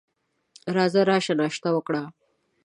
راځه راسره ناشته وکړه !